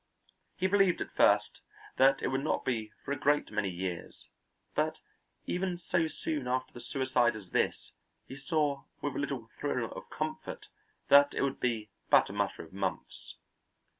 He believed at first that it would not be for a great many years; but even so soon after the suicide as this, he saw with a little thrill of comfort that it would be but a matter of months.